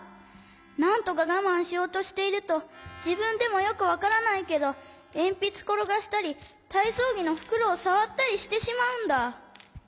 なんとかがまんしようとしているとじぶんでもよくわからないけどえんぴつころがしたりたいそうぎのふくろをさわったりしてしまうんだ。